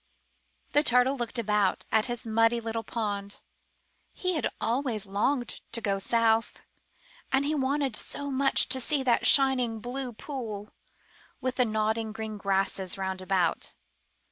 '* The Turtle looked about at his muddy little pond. He had always longed to go south; and he wanted so much to see that shining blue pool, with the nodding green grasses round about.